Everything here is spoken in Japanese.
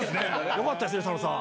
よかったですね佐野さん。